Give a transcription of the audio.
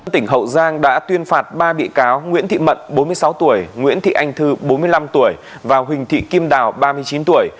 tỉnh hậu giang đã tuyên phạt ba bị cáo nguyễn thị mận bốn mươi sáu tuổi nguyễn thị anh thư bốn mươi năm tuổi và huỳnh thị kim đào ba mươi chín tuổi